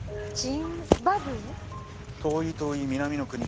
遠い遠い南の国。